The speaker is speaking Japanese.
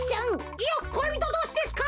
いよっこいびとどうしですか。